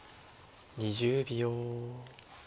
２０秒。